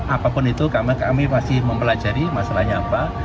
apapun itu kami masih mempelajari masalahnya apa